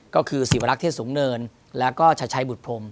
ก็คือศิวรักษ์เทศสูงเนินแล้วก็ชัดชัยบุตรพรม